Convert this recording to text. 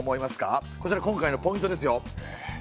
こちら今回のポイントですよ。